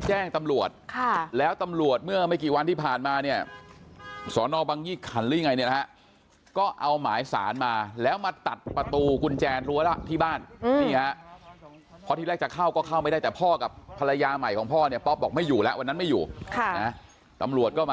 เหมือนเสียงแม่ที่บอกว่าอย่าทำพูดแม่อย่าทำลูก